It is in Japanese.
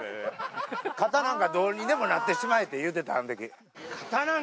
肩なんてどうにでもなってしまえって言ってた、あのとき。